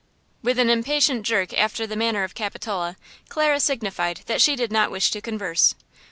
With an impatient jerk after the manner of Capitola, Clara signified that she did not wish to converse.